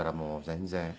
全然。